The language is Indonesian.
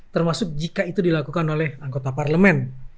termasuk jika itu dilakukan oleh anggota parlemen